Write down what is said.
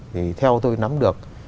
thì theo tôi nắm được